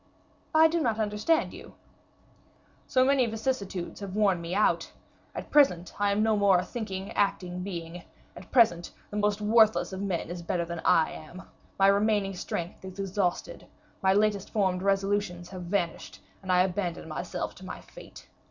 "I do not understand you." "So many vicissitudes have worn me out. At present, I am no more a thinking, acting being; at present, the most worthless of men is better than I am; my remaining strength is exhausted, my latest formed resolutions have vanished, and I abandon myself to my fate.